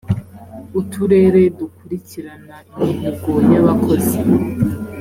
uturere dukurikirana imihigo y’ abakozi .